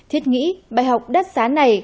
thiết nghĩ bài học đắt sáng này